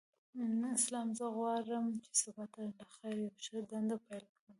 سلام ،زه غواړم چی سبا ته لخیر یوه ښه دنده پیل کړم.